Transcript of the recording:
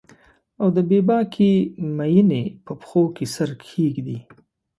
او د بې باکې میینې په پښو کې سر کښیږدي